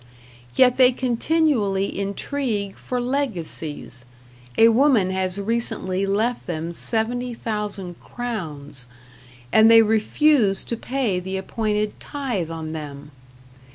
Yet they continually intrigue for legacies a woman has recently left them 70,000 crowns and they refuse to pay the appointed tithe on them.